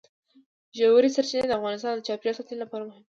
ژورې سرچینې د افغانستان د چاپیریال ساتنې لپاره مهم دي.